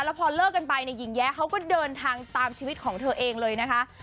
แล้วพอเลิกกันไปเนี่ยหญิงแย้เขาก็เดินทางตามชีวิตของเธอเองเลยนะคะ